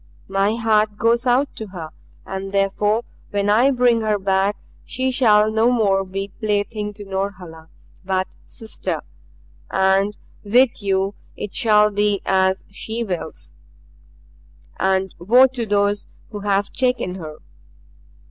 My heart goes out to her. And therefore when I bring her back she shall no more be plaything to Norhala, but sister. And with you it shall be as she wills. And woe to those who have taken her!"